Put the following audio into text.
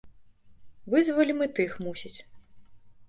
Вызвалім і тых, мусіць.